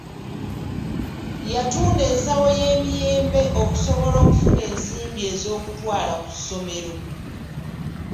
Yatunda ensawo y’emiyembe okusobola okufuna ensimbi ez’okutwala ku ssomero.